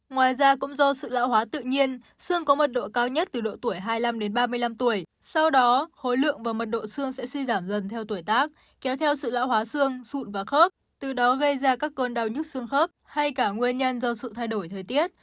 ngoài ra cũng do sự lão hóa tự nhiên xương có mật độ cao nhất từ độ tuổi hai mươi năm đến ba mươi năm tuổi sau đó khối lượng và mật độ xương sẽ suy giảm dần theo tuổi tác kéo theo sự lão hóa xương sụn và khớp từ đó gây ra các cơn đau nhức xương khớp hay cả nguyên nhân do sự thay đổi thời tiết